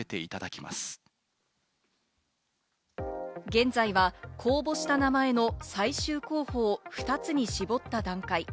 現在は公募した名前の最終候補を２つに絞った段階。